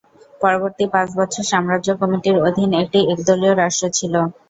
পরবর্তী পাঁচ বছর সাম্রাজ্য কমিটির অধীন একটি একদলীয় রাষ্ট্র ছিল।